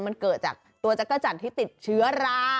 มันเกิดจากตัวจักรจันทร์ที่ติดเชื้อรา